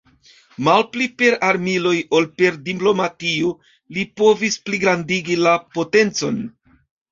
Malpli per armiloj ol per diplomatio li provis pligrandigi la potencon.